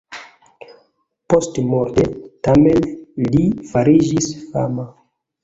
Postmorte, tamen, li fariĝis fama.